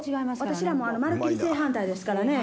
私らもまるっきり正反対ですからね。